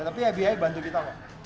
tapi fbi bantu kita